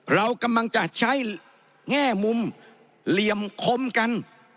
เรากำลังจะใช้แง่มุมเหลี่ยมคมกัน